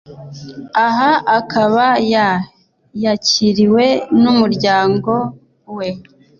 Aha akaba ya yakiriwe n’umuryango we